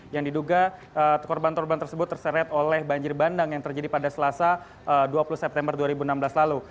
yang diduga korban korban tersebut terseret oleh banjir bandang yang terjadi pada selasa dua puluh september dua ribu enam belas lalu